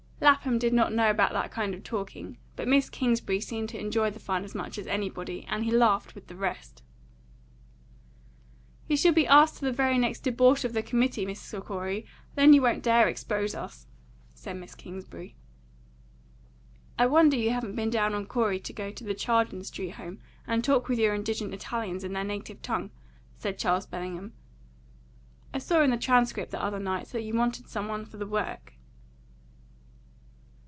Lapham did not know about that kind of talking; but Miss Kingsbury seemed to enjoy the fun as much as anybody, and he laughed with the rest. "You shall be asked to the very next debauch of the committee, Mr. Corey; then you won't dare expose us," said Miss Kingsbury. "I wonder you haven't been down upon Corey to go to the Chardon Street home and talk with your indigent Italians in their native tongue," said Charles Bellingham. "I saw in the Transcript the other night that you wanted some one for the work."